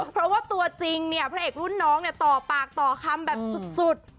เพราะว่าตัวจริงเนี่ยพระเอกรุ่นน้องเนี่ยต่อปากต่อคำแบบสุด